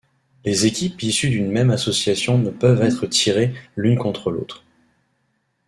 Les équipes issues d'une même association ne peuvent être tirées l’une contre l'autre.